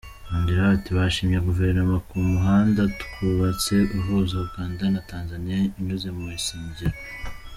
Yongeraho ati “Bashimye Guverinoma ku muhanda twubatse uhuza Uganda na Tanzania unyuze muri Isingiro.